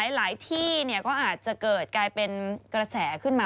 หลายที่ก็อาจจะเกิดกลายเป็นกระแสขึ้นมา